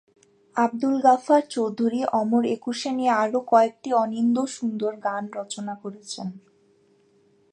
আবদুল গাফ্ফার চৌধুরী অমর একুশে নিয়ে আরও কয়েকটি অনিন্দ্যসুন্দর গান রচনা করেছেন।